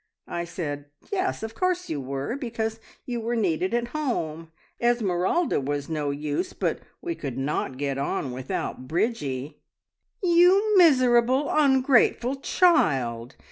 I said yes, of course you were, because you were needed at home. Esmeralda was no use, but we could not get on without Bridgie!" "You miserable, ungrateful child!